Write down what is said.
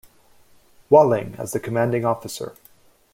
Wahlig as the commanding officer.